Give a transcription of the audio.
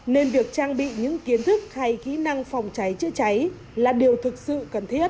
nên việc trang bị những kiến thức hay kỹ năng phòng cháy chữa cháy là điều thực sự cần thiết